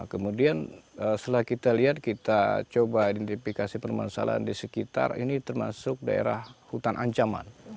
kemudian setelah kita lihat kita coba identifikasi permasalahan di sekitar ini termasuk daerah hutan ancaman